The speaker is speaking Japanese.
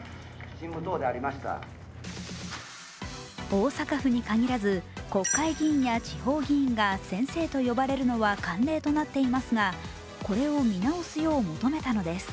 大阪府に限らず、国会議員や地方議員が先生と呼ばれるのは慣例となっていますがこれを見直すよう求めたのです。